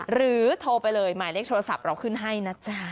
โทรไปเลยหมายเลขโทรศัพท์เราขึ้นให้นะจ๊ะ